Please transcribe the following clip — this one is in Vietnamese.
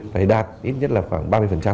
vậy đạt ít nhất là khoảng ba mươi